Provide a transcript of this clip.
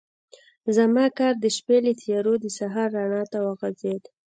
زما کار د شپې له تیارو د سهار رڼا ته وغځېد.